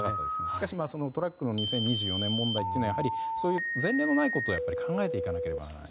しかし、トラックの２０２４年問題というのはやはり前例のないことを考えていかなければいけない。